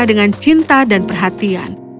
dengan cinta dan perhatian